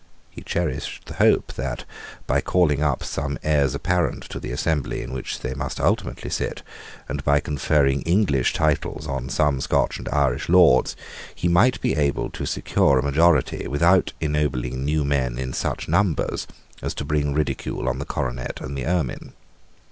He cherished the hope that, by calling up some heirs apparent to the assembly in which they must ultimately sit, and by conferring English titles on some Scotch and Irish Lords, he might be able to secure a majority without ennobling new men in such numbers as to bring ridicule on the coronet and the ermine.